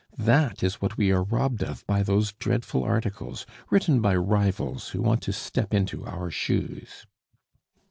That is what we are robbed of by those dreadful articles, written by rivals who want to step into our shoes."